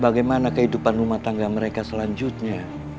bagaimana kehidupan rumah tangga mereka selanjutnya